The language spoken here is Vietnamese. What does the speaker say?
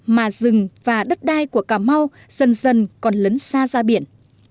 mà rừng và đất đai của cà mau dần dần còn lấn xa ra biển